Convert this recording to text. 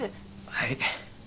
はい。